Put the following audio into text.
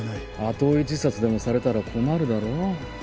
後追い自殺でもされたら困るだろう？